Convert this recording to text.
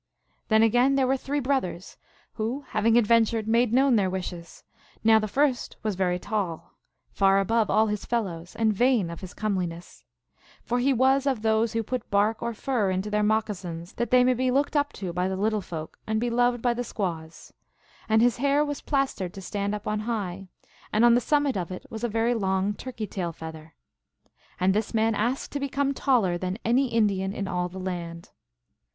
Then again there were three brothers, who, having adventured, made known their wishes. Now the first was very tall, far above all his fellows, and vain of his comeliness. For he was of those who put bark or fur into their moccasins, that they may be looked up to by the little folk and be loved by the squaws ; and his hair was plastered to stand up on high, and on the summit of it was a very long turkey tail feather. And 96 THE ALGONQUIN LEGENDS. this man asked to become taller than any Indian in all the land.